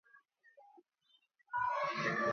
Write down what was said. سارے منکھ مال ٻیجٹؔے گئے ہے